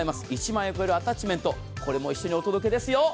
１万円を超えるアタッチメントも一緒にお届けですよ。